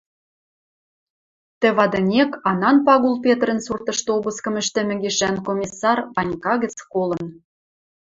Тӹ вадынек Анан Пагул Петрӹн суртышты обыскым ӹштӹмӹ гишӓн Комиссар Ванька гӹц колын.